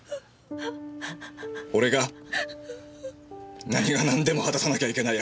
俺が何がなんでも果たさなきゃいけない約束です。